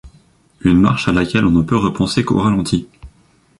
Une marche à laquelle on ne peut repenser qu’au ralenti.